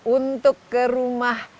untuk ke rumah